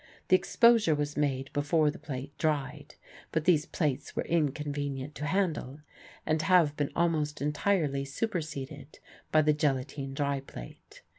The exposure was made before the plate dried; but these plates were inconvenient to handle and have been almost entirely superseded by the gelatine dry plate.